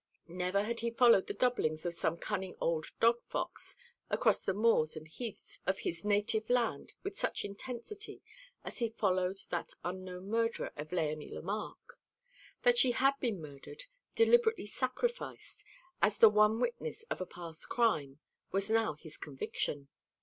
Never had he followed the doublings of some cunning old dog fox across the moors and heaths of his native land with such intensity as he followed that unknown murderer of Léonie Lemarque. That she had been murdered deliberately sacrificed as the one witness of a past crime, was now his conviction.